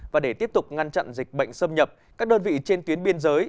và để tiếp tục ngăn chặn dịch bệnh xâm nhập các đơn vị trên tuyến biên giới